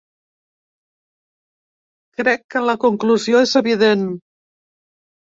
Crec que la conclusió és evident.